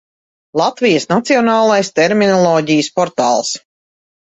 Latvijas Nacionālais terminoloģijas portāls